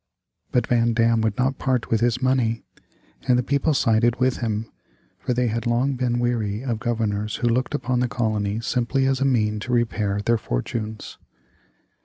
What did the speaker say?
[Illustration: Dinner at Rip Van Dam's.] But Van Dam would not part with his money, and the people sided with him, for they had long been weary of governors who looked upon the colony simply as a means to repair their fortunes.